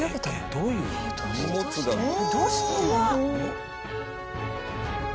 どうして？